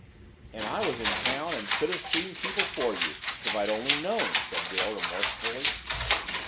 "And I was in town and could have seen people for you if I'd only known!" said Dale remorsefully.